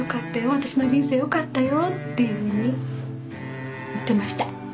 私の人生よかったよっていうふうに言ってました。